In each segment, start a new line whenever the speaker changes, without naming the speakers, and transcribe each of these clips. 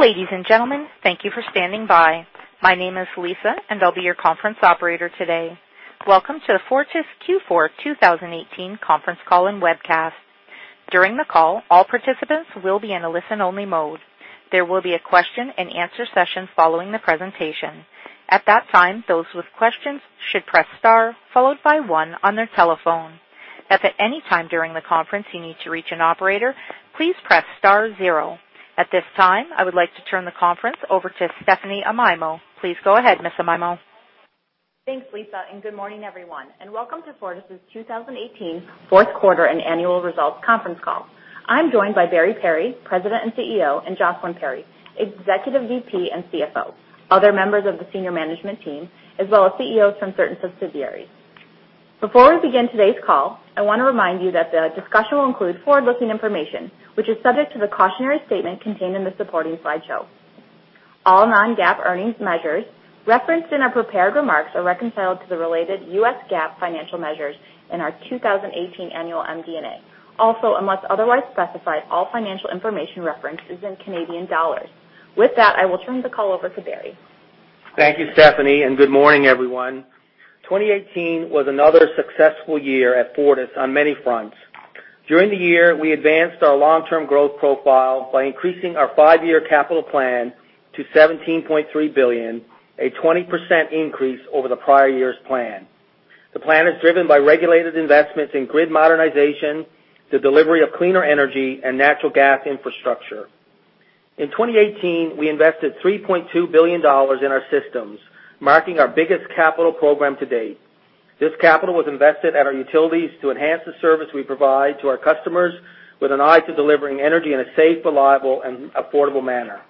Ladies and gentlemen, thank you for standing by. My name is Lisa, and I'll be your conference operator today. Welcome to the Fortis Q4 2018 conference call and webcast. During the call, all participants will be in a listen-only mode. There will be a question and answer session following the presentation. At that time, those with questions should press star followed by one on their telephone. If at any time during the conference you need to reach an operator, please press star zero. At this time, I would like to turn the conference over to Stephanie Amaimo. Please go ahead, Ms. Amaimo.
Thanks, Lisa, and good morning, everyone, and welcome to Fortis' 2018 fourth quarter and annual results conference call. I'm joined by Barry Perry, President and CEO, and Jocelyn Perry, Executive Vice President and CFO, other members of the senior management team, as well as CEOs from certain subsidiaries. Before we begin today's call, I want to remind you that the discussion will include forward-looking information, which is subject to the cautionary statement contained in the supporting slideshow. All non-GAAP earnings measures referenced in our prepared remarks are reconciled to the related U.S. GAAP financial measures in our 2018 annual MD&A. Unless otherwise specified, all financial information referenced is in Canadian dollars. With that, I will turn the call over to Barry.
Thank you, Stephanie, and good morning, everyone. 2018 was another successful year at Fortis on many fronts. During the year, we advanced our long-term growth profile by increasing our five-year capital plan to 17.3 billion, a 20% increase over the prior year's plan. The plan is driven by regulated investments in grid modernization, the delivery of cleaner energy, and natural gas infrastructure. In 2018, we invested 3.2 billion dollars in our systems, marking our biggest capital program to date. This capital was invested at our utilities to enhance the service we provide to our customers with an eye to delivering energy in a safe, reliable, and affordable manner.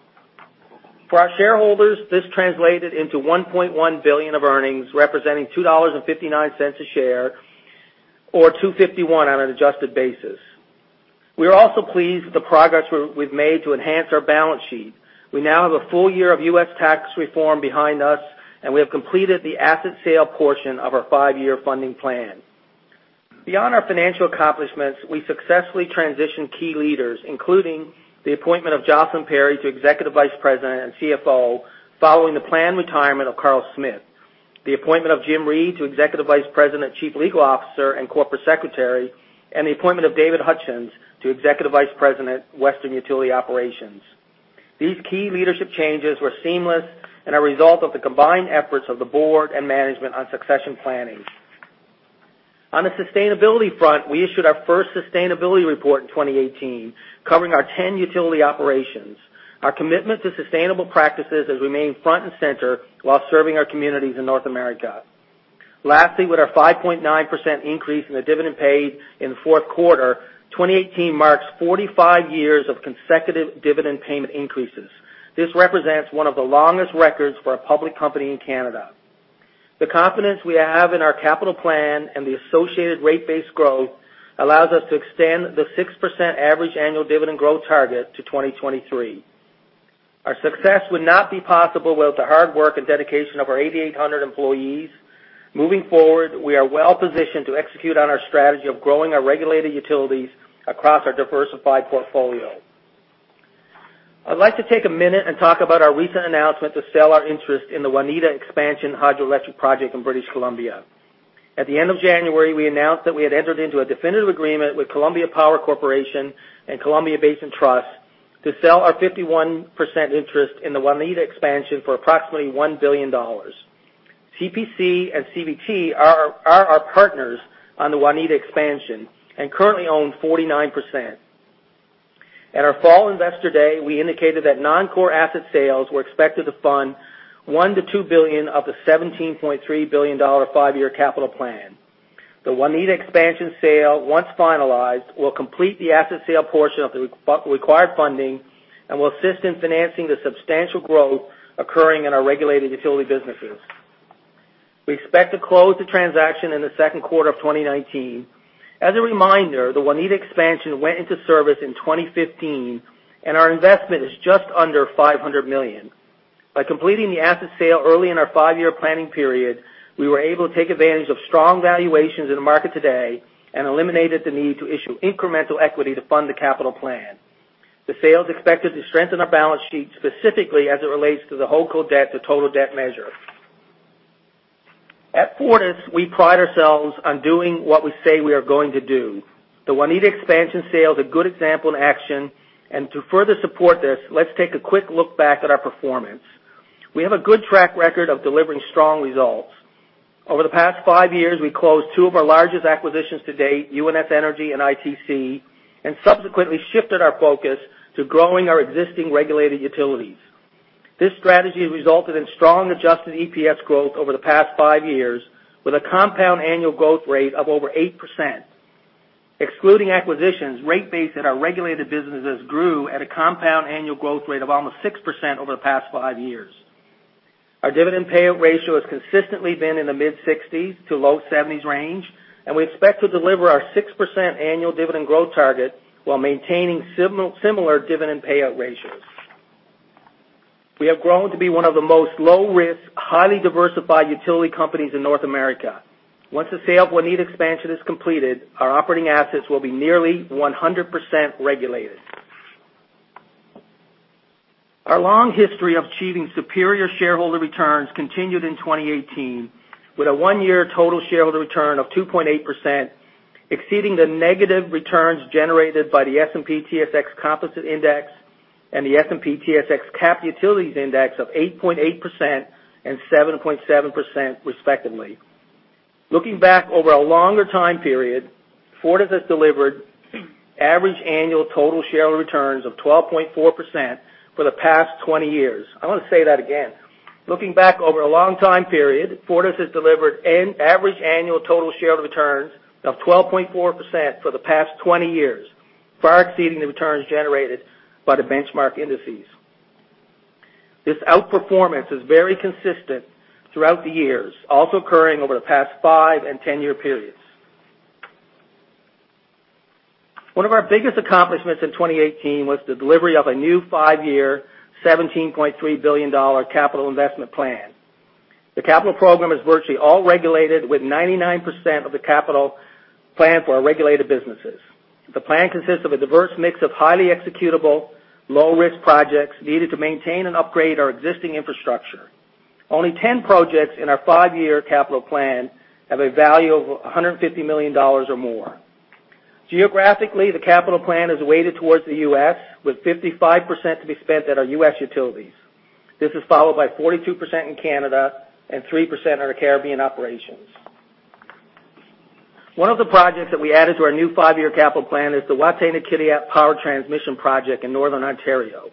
For our shareholders, this translated into 1.1 billion of earnings, representing 2.59 dollars a share, or 2.51 on an adjusted basis. We are also pleased with the progress we've made to enhance our balance sheet. We now have a full year of U.S. tax reform behind us, and we have completed the asset sale portion of our five-year funding plan. Beyond our financial accomplishments, we successfully transitioned key leaders, including the appointment of Jocelyn Perry to Executive Vice President and CFO following the planned retirement of Karl Smith, the appointment of James Reid to Executive Vice President, Chief Legal Officer, and Corporate Secretary, and the appointment of David Hutchens to Executive Vice President, Western Utility Operations. These key leadership changes were seamless and a result of the combined efforts of the board and management on succession planning. On the sustainability front, we issued our first sustainability report in 2018, covering our 10 utility operations. Our commitment to sustainable practices has remained front and center while serving our communities in North America. Lastly, with our 5.9% increase in the dividend paid in the fourth quarter, 2018 marks 45 years of consecutive dividend payment increases. This represents one of the longest records for a public company in Canada. The confidence we have in our capital plan and the associated rate base growth allows us to extend the 6% average annual dividend growth target to 2023. Our success would not be possible without the hard work and dedication of our 8,800 employees. Moving forward, we are well-positioned to execute on our strategy of growing our regulated utilities across our diversified portfolio. I'd like to take a minute and talk about our recent announcement to sell our interest in the Waneta Expansion hydroelectric project in British Columbia. At the end of January, we announced that we had entered into a definitive agreement with Columbia Power Corporation and Columbia Basin Trust to sell our 51% interest in the Waneta Expansion for approximately 1 billion dollars. CPC and CBT are our partners on the Waneta Expansion and currently own 49%. At our fall investor day, we indicated that non-core asset sales were expected to fund 1 billion-2 billion of the 17.3 billion dollar five-year capital plan. The Waneta Expansion sale, once finalized, will complete the asset sale portion of the required funding and will assist in financing the substantial growth occurring in our regulated utility businesses. We expect to close the transaction in the second quarter of 2019. As a reminder, the Waneta Expansion went into service in 2015, and our investment is just under 500 million. By completing the asset sale early in our five-year planning period, we were able to take advantage of strong valuations in the market today and eliminated the need to issue incremental equity to fund the capital plan. The sale is expected to strengthen our balance sheet specifically as it relates to the holdco debt to total debt measure. At Fortis, we pride ourselves on doing what we say we are going to do. The Waneta Expansion sale is a good example in action, and to further support this, let's take a quick look back at our performance. We have a good track record of delivering strong results. Over the past five years, we closed two of our largest acquisitions to date, UNS Energy and ITC, and subsequently shifted our focus to growing our existing regulated utilities. This strategy has resulted in strong adjusted EPS growth over the past five years with a compound annual growth rate of over 8%. Excluding acquisitions, rate base in our regulated businesses grew at a compound annual growth rate of almost 6% over the past five years. Our dividend payout ratio has consistently been in the mid-60s to low 70s range, and we expect to deliver our 6% annual dividend growth target while maintaining similar dividend payout ratios. We have grown to be one of the most low-risk, highly diversified utility companies in North America. Once the sale of Waneta Expansion is completed, our operating assets will be nearly 100% regulated. Our long history of achieving superior shareholder returns continued in 2018 with a one-year total shareholder return of 2.8%, exceeding the negative returns generated by the S&P/TSX Composite Index and the S&P/TSX Cap Utilities Index of 8.8% and 7.7% respectively. Looking back over a longer time period, Fortis has delivered average annual total shareholder returns of 12.4% for the past 20 years. I want to say that again. Looking back over a long time period, Fortis has delivered an average annual total shareholder returns of 12.4% for the past 20 years, far exceeding the returns generated by the benchmark indices. This outperformance is very consistent throughout the years, also occurring over the past 5 and 10-year periods. One of our biggest accomplishments in 2018 was the delivery of a new five-year, 17.3 billion dollar capital investment plan. The capital program is virtually all regulated, with 99% of the capital planned for our regulated businesses. The plan consists of a diverse mix of highly executable, low-risk projects needed to maintain and upgrade our existing infrastructure. Only 10 projects in our five-year capital plan have a value of 150 million dollars or more. Geographically, the capital plan is weighted towards the U.S., with 55% to be spent at our U.S. utilities. This is followed by 42% in Canada and 3% on our Caribbean operations. One of the projects that we added to our new five-year capital plan is the Wataynikaneyap Power Transmission Project in northern Ontario.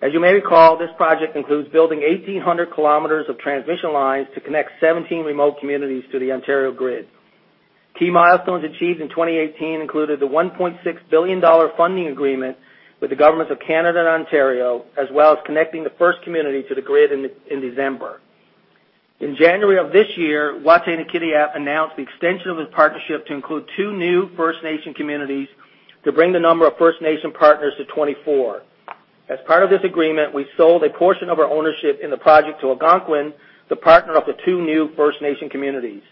As you may recall, this project includes building 1,800 km of transmission lines to connect 17 remote communities to the Ontario grid. Key milestones achieved in 2018 included the CAD 1.6 billion funding agreement with the governments of Canada and Ontario, as well as connecting the first community to the grid in December. In January of this year, Wataynikaneyap announced the extension of its partnership to include two new First Nation communities to bring the number of First Nation partners to 24. As part of this agreement, we sold a portion of our ownership in the project to Algonquin, the partner of the two new First Nation communities.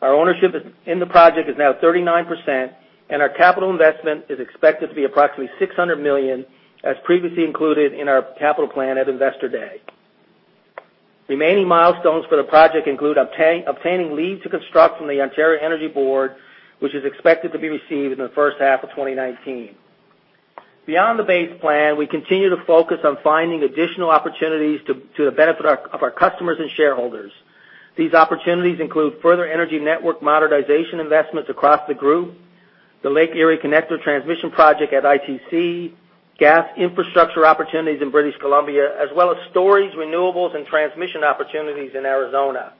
Our ownership in the project is now 39%, and our capital investment is expected to be approximately 600 million, as previously included in our capital plan at Investor Day. Remaining milestones for the project include obtaining leads to construct from the Ontario Energy Board, which is expected to be received in the first half of 2019. Beyond the base plan, we continue to focus on finding additional opportunities to the benefit of our customers and shareholders. These opportunities include further energy network modernization investments across the group, the Lake Erie Connector transmission project at ITC, gas infrastructure opportunities in British Columbia, as well as storage, renewables, and transmission opportunities in Arizona.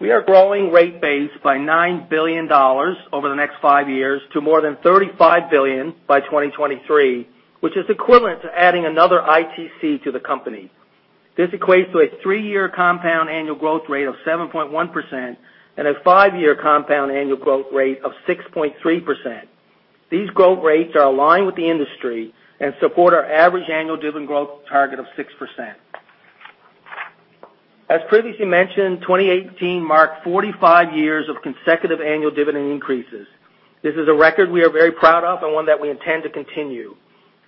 We are growing rate base by 9 billion dollars over the next five years to more than 35 billion by 2023, which is equivalent to adding another ITC to the company. This equates to a three-year compound annual growth rate of 7.1% and a five-year compound annual growth rate of 6.3%. These growth rates are aligned with the industry and support our average annual dividend growth target of 6%. As previously mentioned, 2018 marked 45 years of consecutive annual dividend increases. This is a record we are very proud of and one that we intend to continue.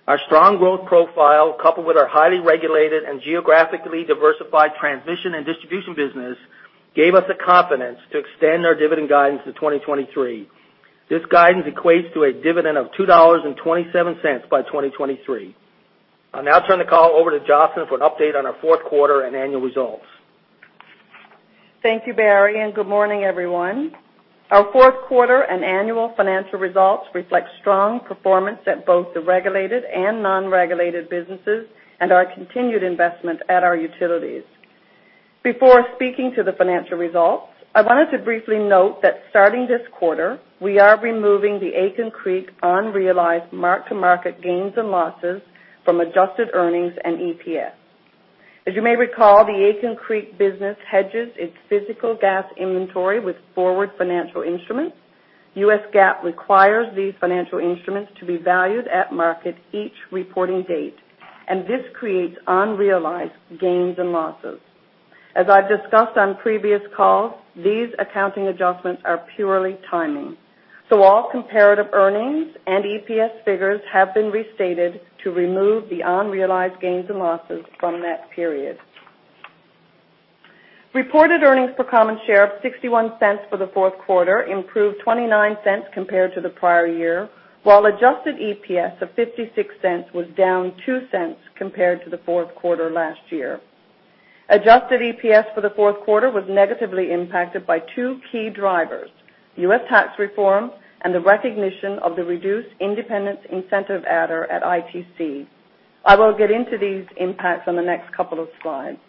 Our strong growth profile, coupled with our highly regulated and geographically diversified transmission and distribution business, gave us the confidence to extend our dividend guidance to 2023. This guidance equates to a dividend of 2.27 dollars by 2023. I'll now turn the call over to Jocelyn for an update on our fourth quarter and annual results.
Thank you, Barry, and good morning, everyone. Our fourth quarter and annual financial results reflect strong performance at both the regulated and non-regulated businesses and our continued investment at our utilities. Before speaking to the financial results, I wanted to briefly note that starting this quarter, we are removing the Aitken Creek unrealized mark-to-market gains and losses from adjusted earnings and EPS. As you may recall, the Aitken Creek business hedges its physical gas inventory with forward financial instruments. U.S. GAAP requires these financial instruments to be valued at market each reporting date, and this creates unrealized gains and losses. As I've discussed on previous calls, these accounting adjustments are purely timing. All comparative earnings and EPS figures have been restated to remove the unrealized gains and losses from that period. Reported earnings per common share of 0.61 for the fourth quarter improved 0.29 compared to the prior year, while adjusted EPS of 0.56 was down 0.02 compared to the fourth quarter last year. Adjusted EPS for the fourth quarter was negatively impacted by two key drivers, U.S. tax reform and the recognition of the reduced independence incentive adder at ITC. I will get into these impacts on the next couple of slides.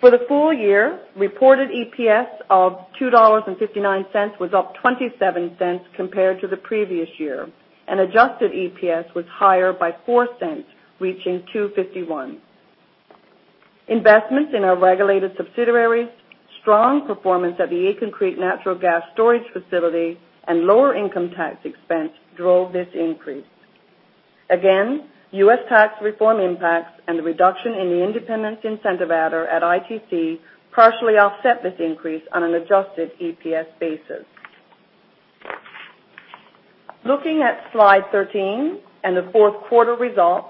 For the full year, reported EPS of 2.59 dollars was up 0.27 compared to the previous year, and adjusted EPS was higher by 0.04, reaching 2.51. Investments in our regulated subsidiaries, strong performance at the Aitken Creek natural gas storage facility, and lower income tax expense drove this increase. Again, U.S. tax reform impacts and the reduction in the independence incentive adder at ITC partially offset this increase on an adjusted EPS basis. Looking at slide 13 and the fourth quarter results,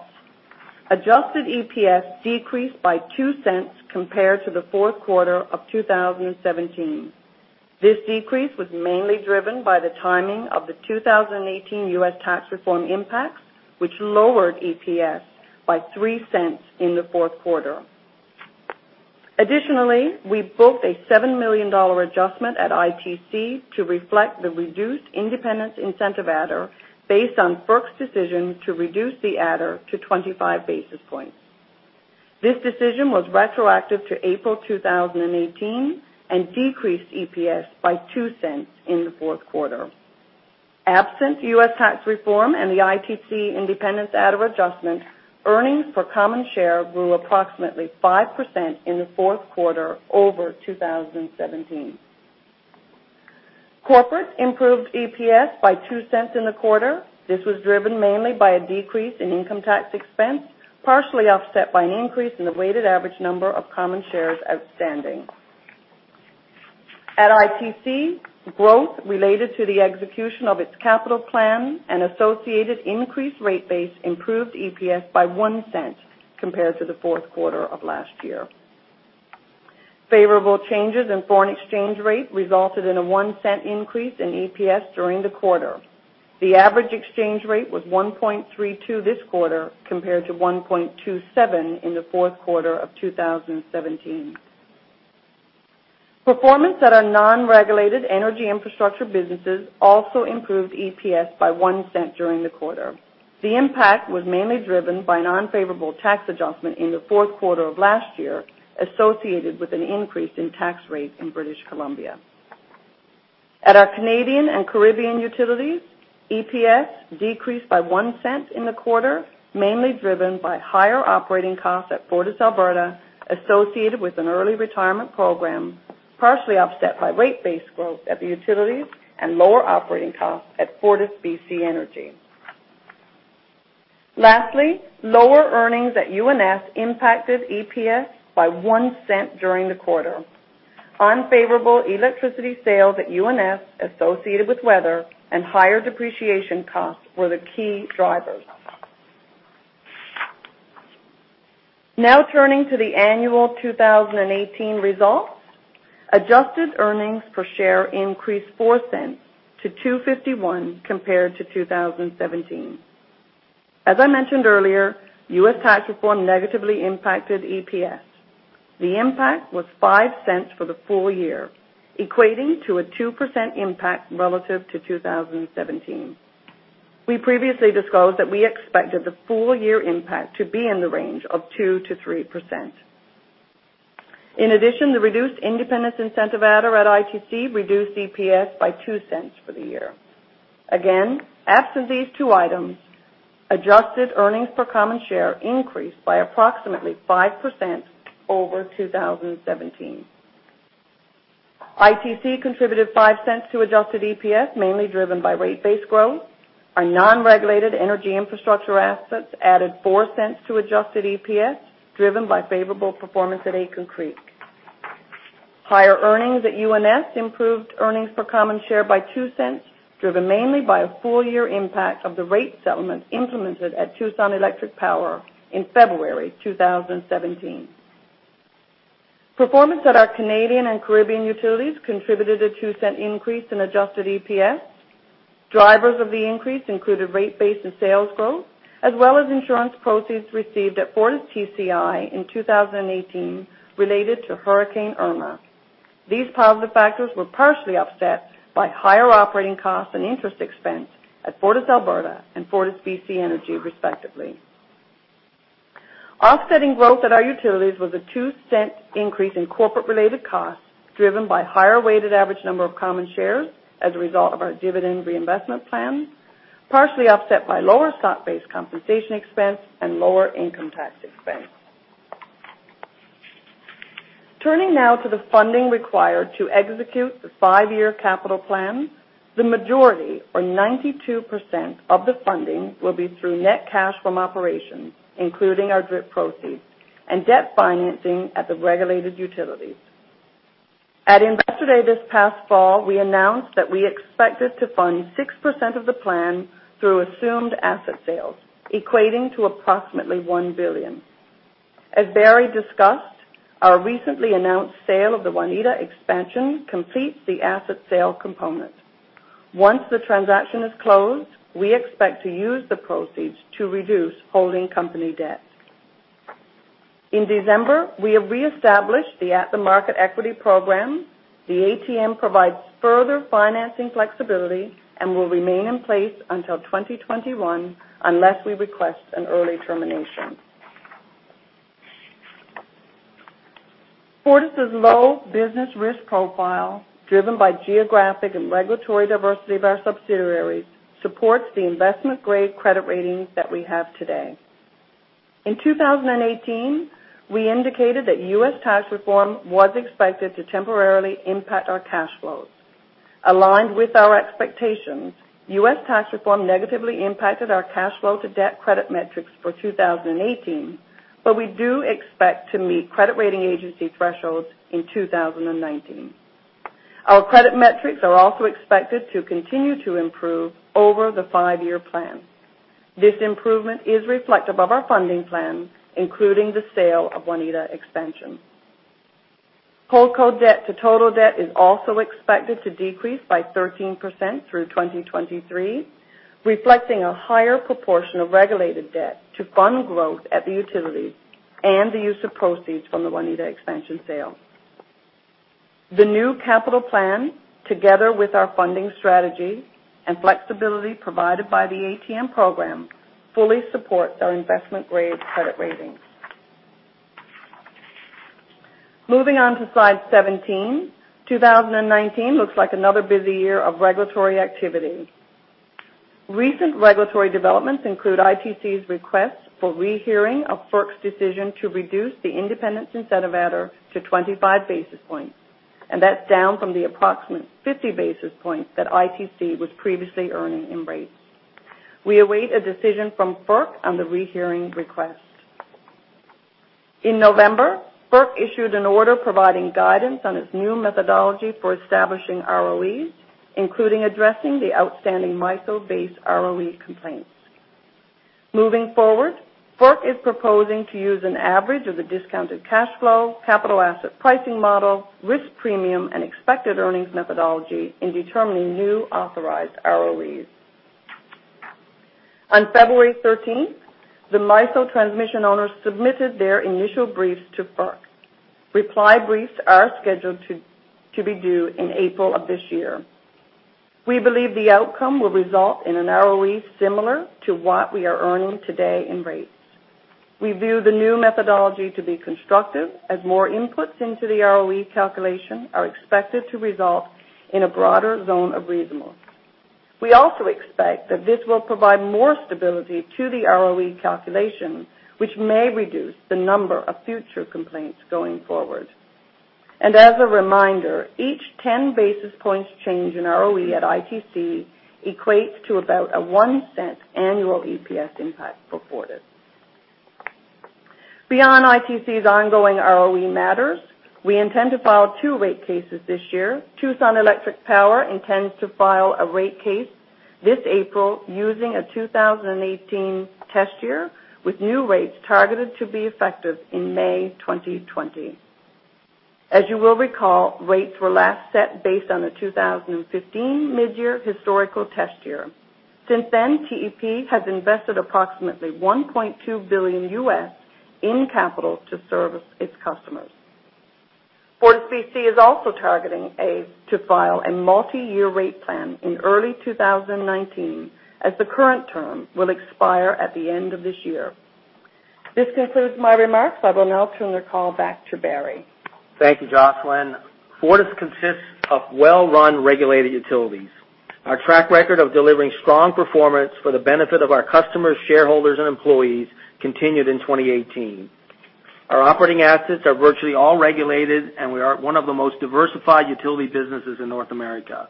adjusted EPS decreased by 0.02 compared to the fourth quarter of 2017. This decrease was mainly driven by the timing of the 2018 U.S. tax reform impacts, which lowered EPS by 0.03 in the fourth quarter. Additionally, we booked a 7 million dollar adjustment at ITC to reflect the reduced independence incentive adder based on FERC's decision to reduce the adder to 25 basis points. This decision was retroactive to April 2018 and decreased EPS by 0.02 in the fourth quarter. Absent U.S. tax reform and the ITC independence adder adjustment, earnings per common share grew approximately 5% in the fourth quarter over 2017. Corporate improved EPS by 0.02 in the quarter. This was driven mainly by a decrease in income tax expense, partially offset by an increase in the weighted average number of common shares outstanding. At ITC, growth related to the execution of its capital plan and associated increased rate base improved EPS by 0.01 compared to the fourth quarter of last year. Favorable changes in foreign exchange rate resulted in a 0.01 increase in EPS during the quarter. The average exchange rate was 1.32 this quarter compared to 1.27 in the fourth quarter of 2017. Performance at our non-regulated energy infrastructure businesses also improved EPS by 0.01 during the quarter. The impact was mainly driven by an unfavorable tax adjustment in the fourth quarter of last year associated with an increase in tax rate in British Columbia. At our Canadian and Caribbean utilities, EPS decreased by 0.01 in the quarter, mainly driven by higher operating costs at FortisAlberta associated with an early retirement program, partially offset by rate base growth at the utilities and lower operating costs at FortisBC Energy. Lastly, lower earnings at UNS impacted EPS by 0.01 during the quarter. Unfavorable electricity sales at UNS associated with weather and higher depreciation costs were the key drivers. Now turning to the annual 2018 results. Adjusted earnings per share increased 0.04 to 2.51 compared to 2017. As I mentioned earlier, U.S. tax reform negatively impacted EPS. The impact was 0.05 for the full year, equating to a 2% impact relative to 2017. We previously disclosed that we expected the full-year impact to be in the range of 2%-3%. The reduced independence incentive adder at ITC reduced EPS by 0.02 for the year. Again, absent these two items, adjusted earnings per common share increased by approximately 5% over 2017. ITC contributed 0.05 to adjusted EPS, mainly driven by rate base growth. Our non-regulated energy infrastructure assets added 0.04 to adjusted EPS, driven by favorable performance at Aitken Creek. Higher earnings at UNS improved earnings per common share by 0.02, driven mainly by a full-year impact of the rate settlement implemented at Tucson Electric Power in February 2017. Performance at our Canadian and Caribbean utilities contributed a CAD 0.02 increase in adjusted EPS. Drivers of the increase included rate base and sales growth, as well as insurance proceeds received at FortisTCI in 2018 related to Hurricane Irma. These positive factors were partially offset by higher operating costs and interest expense at FortisAlberta and FortisBC Energy, respectively. Offsetting growth at our utilities was a 0.02 increase in corporate-related costs, driven by higher weighted average number of common shares as a result of our dividend reinvestment plan, partially offset by lower stock-based compensation expense and lower income tax expense. Turning now to the funding required to execute the five-year capital plan. The majority or 92% of the funding will be through net cash from operations, including our DRIP proceeds and debt financing at the regulated utilities. At Investor Day this past fall, we announced that we expected to fund 6% of the plan through assumed asset sales, equating to approximately 1 billion. As Barry discussed, our recently announced sale of the Waneta Expansion completes the asset sale component. Once the transaction is closed, we expect to use the proceeds to reduce holding company debt. In December, we have re-established the at-the-market equity program. The ATM provides further financing flexibility and will remain in place until 2021 unless we request an early termination. Fortis' low business risk profile, driven by geographic and regulatory diversity of our subsidiaries, supports the investment-grade credit ratings that we have today. In 2018, we indicated that U.S. tax reform was expected to temporarily impact our cash flows. Aligned with our expectations, U.S. tax reform negatively impacted our cash flow to debt credit metrics for 2018, but we do expect to meet credit rating agency thresholds in 2019. Our credit metrics are also expected to continue to improve over the five-year plan. This improvement is reflective of our funding plan, including the sale of Waneta Expansion. Holdco debt to total debt is also expected to decrease by 13% through 2023, reflecting a higher proportion of regulated debt to fund growth at the utilities and the use of proceeds from the Waneta Expansion sale. The new capital plan, together with our funding strategy and flexibility provided by the ATM program, fully supports our investment-grade credit ratings. Moving on to slide 17. 2019 looks like another busy year of regulatory activity. Recent regulatory developments include ITC's request for rehearing of FERC's decision to reduce the independence incentive adder to 25 basis points, and that is down from the approximate 50 basis points that ITC was previously earning in rates. We await a decision from FERC on the rehearing request. In November, FERC issued an order providing guidance on its new methodology for establishing ROEs, including addressing the outstanding MISO-based ROE complaints. Moving forward, FERC is proposing to use an average of the discounted cash flow, Capital Asset Pricing Model, risk premium, and expected earnings methodology in determining new authorized ROEs. On February 13th, the MISO transmission owners submitted their initial briefs to FERC. Reply briefs are scheduled to be due in April of this year. We believe the outcome will result in an ROE similar to what we are earning today in rates. We view the new methodology to be constructive, as more inputs into the ROE calculation are expected to result in a broader zone of reasonable. We also expect that this will provide more stability to the ROE calculation, which may reduce the number of future complaints going forward. As a reminder, each 10 basis points change in ROE at ITC equates to about a 0.01 annual EPS impact for Fortis. Beyond ITC's ongoing ROE matters, we intend to file two rate cases this year. Tucson Electric Power intends to file a rate case this April using a 2018 test year, with new rates targeted to be effective in May 2020. As you will recall, rates were last set based on the 2015 mid-year historical test year. Since then, TEP has invested approximately $1.2 billion in capital to service its customers. FortisBC is also targeting to file a multi-year rate plan in early 2019, as the current term will expire at the end of this year. This concludes my remarks. I will now turn the call back to Barry.
Thank you, Jocelyn. Fortis consists of well-run, regulated utilities. Our track record of delivering strong performance for the benefit of our customers, shareholders, and employees continued in 2018. Our operating assets are virtually all regulated, and we are one of the most diversified utility businesses in North America.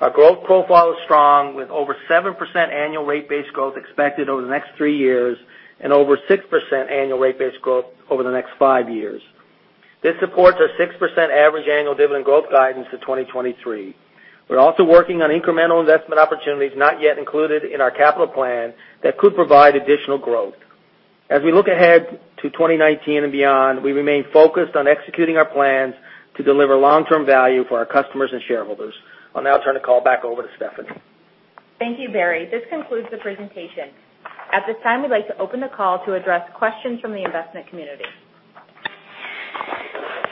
Our growth profile is strong, with over 7% annual rate base growth expected over the next three years and over 6% annual rate base growth over the next five years. This supports our 6% average annual dividend growth guidance to 2023. We're also working on incremental investment opportunities not yet included in our capital plan that could provide additional growth. As we look ahead to 2019 and beyond, we remain focused on executing our plans to deliver long-term value for our customers and shareholders. I'll now turn the call back over to Stephanie.
Thank you, Barry. This concludes the presentation. At this time, we'd like to open the call to address questions from the investment community.
Thank you.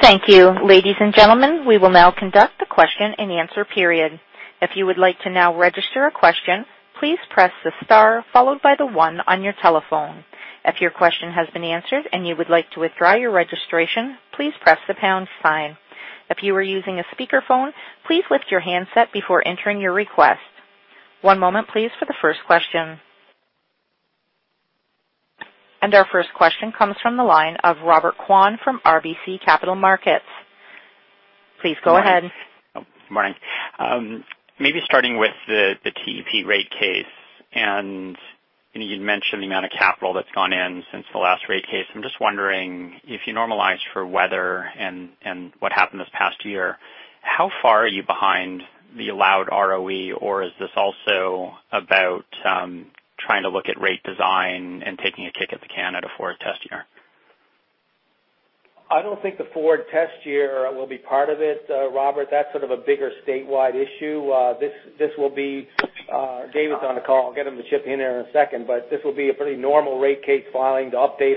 Ladies and gentlemen, we will now conduct the question-and-answer period. If you would like to now register a question, please press the star followed by the one on your telephone. If your question has been answered and you would like to withdraw your registration, please press the pound sign. If you are using a speakerphone, please lift your handset before entering your request. One moment please for the first question. Our first question comes from the line of Robert Kwan from RBC Capital Markets. Please go ahead.
Good morning. Maybe starting with the TEP rate case, you'd mentioned the amount of capital that's gone in since the last rate case. I'm just wondering, if you normalize for weather and what happened this past year, how far are you behind the allowed ROE, or is this also about trying to look at rate design and taking a kick at the can at a forward test year?
I don't think the forward test year will be part of it, Robert. That's sort of a bigger statewide issue. David is on the call. I'll get him to chip in here in a second, but this will be a pretty normal rate case filing to update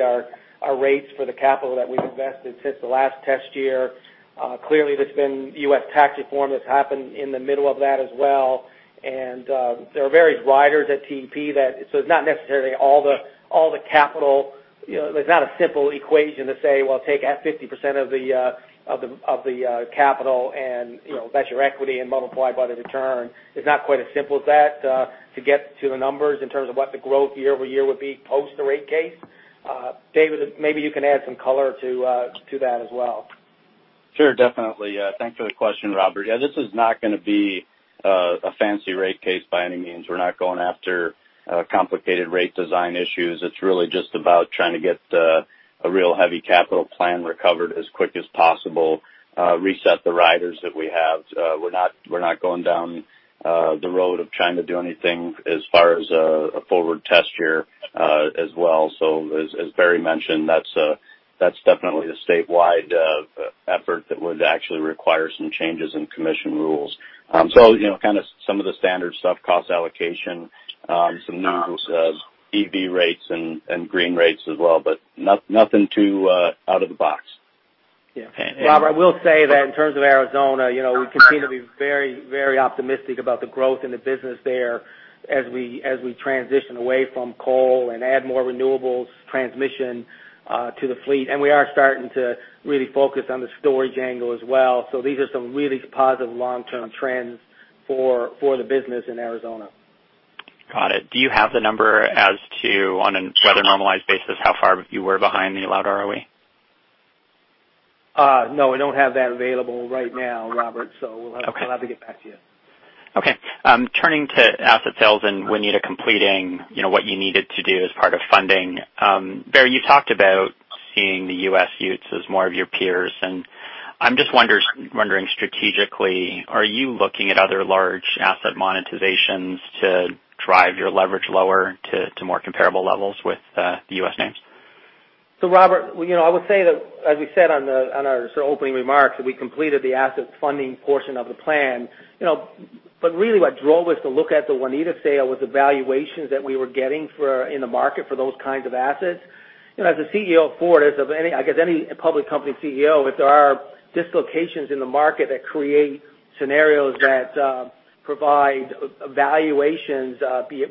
our rates for the capital that we've invested since the last test year. Clearly, there's been U.S. tax reform that's happened in the middle of that as well. There are various riders at TEP, so it's not necessarily a simple equation to say, well take out 50% of the capital and that's your equity, and multiply by the return. It's not quite as simple as that to get to the numbers in terms of what the growth year-over-year would be post the rate case. David, maybe you can add some color to that as well.
Sure, definitely. Thanks for the question, Robert. Yeah, this is not going to be a fancy rate case by any means. We're not going after complicated rate design issues. It's really just about trying to get a real heavy capital plan recovered as quick as possible, reset the riders that we have. We're not going down the road of trying to do anything as far as a forward test year as well. As Barry mentioned, that's definitely a statewide effort that would actually require some changes in commission rules. Kind of some of the standard stuff, cost allocation, some EV rates and green rates as well, but nothing too out of the box.
Yeah. Robert, I will say that in terms of Arizona, we continue to be very optimistic about the growth in the business there as we transition away from coal and add more renewables transmission to the fleet. We are starting to really focus on the storage angle as well. These are some really positive long-term trends for the business in Arizona.
Got it. Do you have the number as to, on a weather-normalized basis, how far you were behind the allowed ROE?
No, I don't have that available right now, Robert.
Okay.
We'll have to get back to you.
Okay. Turning to asset sales and Waneta completing what you needed to do as part of funding. Barry, you talked about seeing the U.S. utes as more of your peers, and I'm just wondering strategically, are you looking at other large asset monetizations to drive your leverage lower to more comparable levels with the U.S. names?
Robert, I would say that, as we said on our opening remarks, that we completed the asset funding portion of the plan. Really what drove us to look at the Waneta sale was the valuations that we were getting in the market for those kinds of assets. As a CEO of Fortis, of I guess any public company CEO, if there are dislocations in the market that create scenarios that provide valuations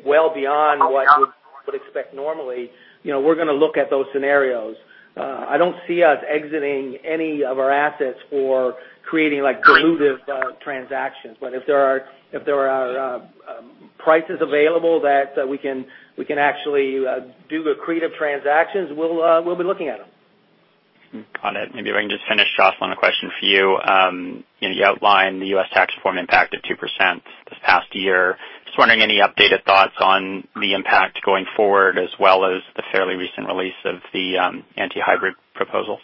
well beyond what you would expect normally, we're going to look at those scenarios. I don't see us exiting any of our assets or creating dilutive transactions. If there are prices available that we can actually do accretive transactions, we'll be looking at them.
Got it. Maybe if I can just finish off on a question for you. You outlined the U.S. tax reform impact of 2% this past year. Just wondering any updated thoughts on the impact going forward as well as the fairly recent release of the anti-hybrid proposals?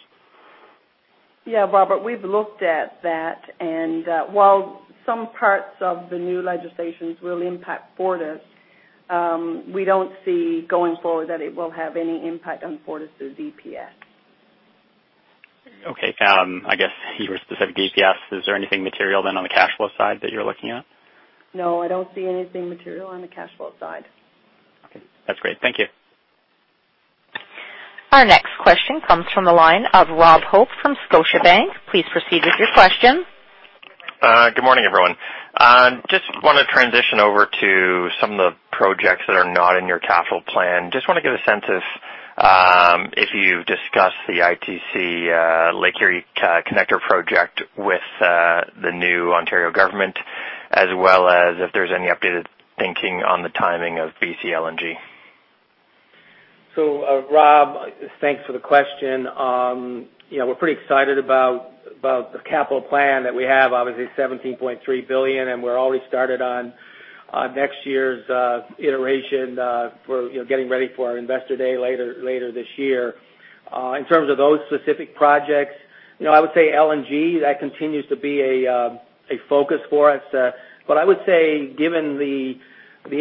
Yeah, Robert, we've looked at that, and while some parts of the new legislations will impact Fortis, we don't see going forward that it will have any impact on Fortis through EPS.
Okay. I guess you were specific, EPS. Is there anything material then on the cash flow side that you're looking at?
No, I don't see anything material on the cash flow side.
Okay. That's great. Thank you.
Our next question comes from the line of Robert Hope from Scotiabank. Please proceed with your question.
Good morning, everyone. Just want to transition over to some of the projects that are not in your capital plan. Just want to get a sense if you've discussed the ITC Lake Erie Connector project with the new Ontario government, as well as if there's any updated thinking on the timing of BC LNG.
Rob, thanks for the question. We're pretty excited about the capital plan that we have, obviously 17.3 billion, we're already started on next year's iteration for getting ready for our investor day later this year. In terms of those specific projects, I would say LNG, that continues to be a focus for us. I would say given the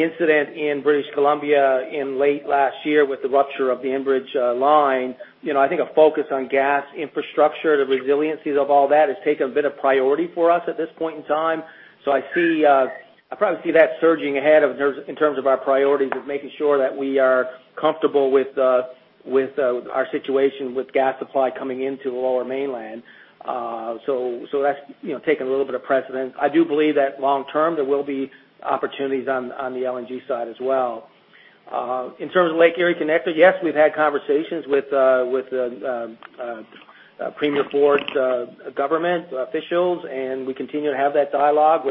incident in British Columbia in late last year with the rupture of the Enbridge line, I think a focus on gas infrastructure, the resiliencies of all that, has taken a bit of priority for us at this point in time. I probably see that surging ahead in terms of our priorities of making sure that we are comfortable with our situation with gas supply coming into Lower Mainland. That's taken a little bit of precedent. I do believe that long-term, there will be opportunities on the LNG side as well. In terms of Lake Erie Connector, yes, we've had conversations with Premier Ford's government officials. We continue to have that dialogue.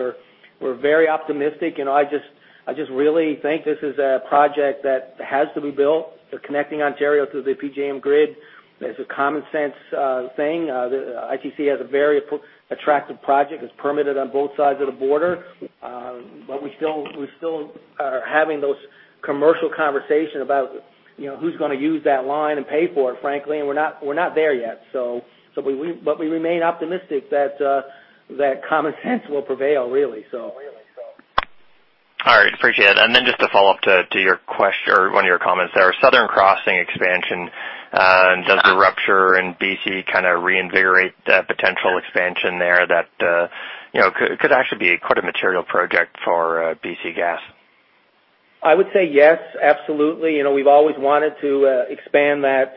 We're very optimistic. I just really think this is a project that has to be built. Connecting Ontario to the PJM grid is a common sense thing. The ITC has a very attractive project, it's permitted on both sides of the border. We still are having those commercial conversation about who's going to use that line and pay for it, frankly, and we're not there yet. We remain optimistic that common sense will prevail, really.
All right, appreciate it. Then just to follow up to one of your comments there. Southern Crossing expansion, does the rupture in BC kind of reinvigorate that potential expansion there that could actually be quite a material project for BC gas?
I would say yes, absolutely. We've always wanted to expand that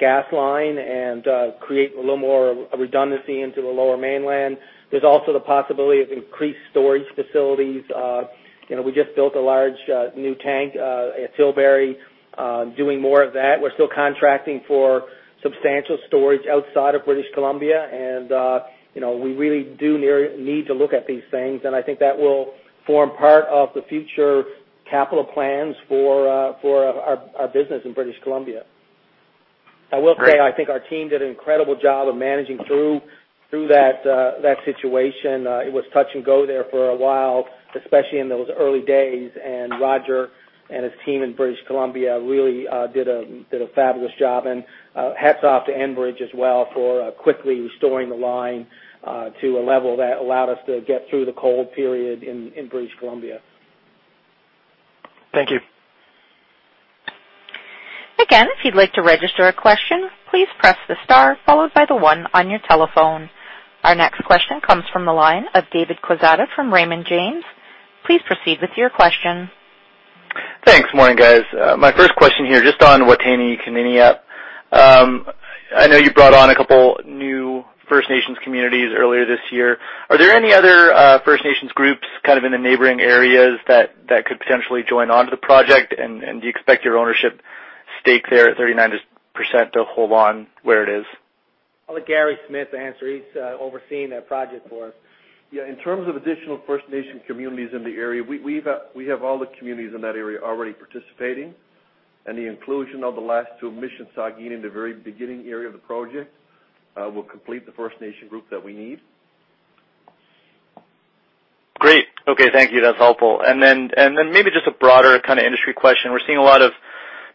gas line and create a little more redundancy into the Lower Mainland. There's also the possibility of increased storage facilities. We just built a large new tank at Tilbury, doing more of that. We're still contracting for substantial storage outside of British Columbia. We really do need to look at these things. I think that will form part of the future capital plans for our business in British Columbia. I will say, I think our team did an incredible job of managing through that situation. It was touch and go there for a while, especially in those early days. Roger and his team in British Columbia really did a fabulous job. Hats off to Enbridge as well for quickly restoring the line to a level that allowed us to get through the cold period in British Columbia.
Thank you.
Again, if you'd like to register a question, please press the star followed by the one on your telephone. Our next question comes from the line of David Quezada from Raymond James. Please proceed with your question.
Thanks. Morning, guys. My first question here, just on Wataynikaneyap. I know you brought on a couple new First Nations communities earlier this year. Are there any other First Nations groups kind of in the neighboring areas that could potentially join onto the project? Do you expect your ownership stake there at 39% to hold on where it is?
I'll let Gary Smith answer. He's overseeing that project for us.
Yeah, in terms of additional First Nation communities in the area, we have all the communities in that area already participating. The inclusion of the last two, Missanabie Cree in the very beginning area of the project, will complete the First Nation group that we need.
Great. Okay, thank you. That's helpful. Then maybe just a broader kind of industry question. We're seeing a lot of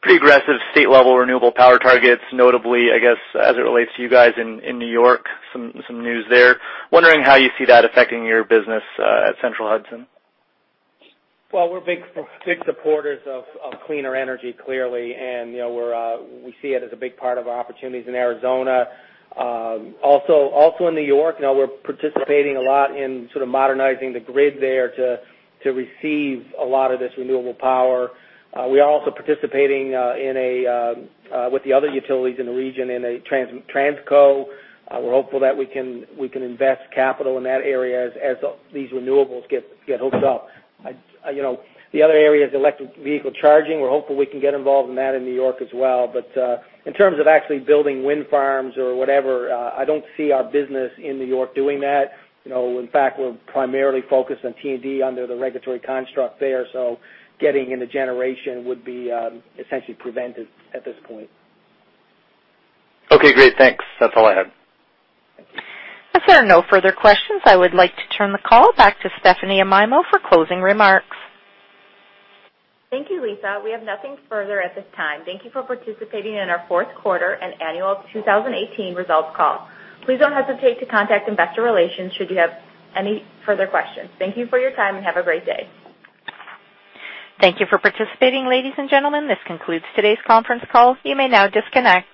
pretty aggressive state-level renewable power targets, notably, I guess, as it relates to you guys in N.Y., some news there. Wondering how you see that affecting your business at Central Hudson.
Well, we're big supporters of cleaner energy, clearly. We see it as a big part of our opportunities in Arizona. Also in N.Y., we're participating a lot in sort of modernizing the grid there to receive a lot of this renewable power. We are also participating with the other utilities in the region in a Transco. We're hopeful that we can invest capital in that area as these renewables get hooked up. The other area is electric vehicle charging. We're hopeful we can get involved in that in N.Y. as well. In terms of actually building wind farms or whatever, I don't see our business in N.Y. doing that. In fact, we're primarily focused on T&D under the regulatory construct there, so getting into generation would be essentially prevented at this point.
Okay, great. Thanks. That's all I had.
As there are no further questions, I would like to turn the call back to Stephanie Amaimo for closing remarks.
Thank you, Lisa. We have nothing further at this time. Thank you for participating in our fourth quarter and annual 2018 results call. Please don't hesitate to contact investor relations should you have any further questions. Thank you for your time, and have a great day.
Thank you for participating, ladies and gentlemen. This concludes today's conference call. You may now disconnect.